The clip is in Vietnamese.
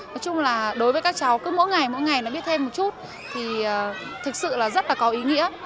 nói chung là đối với các cháu cứ mỗi ngày mỗi ngày nó biết thêm một chút thì thực sự là rất là có ý nghĩa